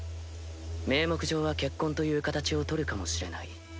名目上は結婚という形を取るかもしれない。